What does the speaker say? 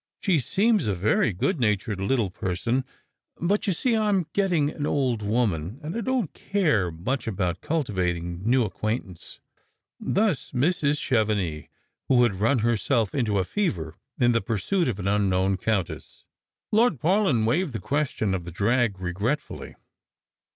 She seems a very good natured little person; but, you see, I am getting an old woman, and don't care much about cultivating new acquaint ance." Thus Mrs. Chevenix, who would have run herself into a fever in the pursuit of an unknown countess. Lord Paulyn waived the question of the drag regretfully.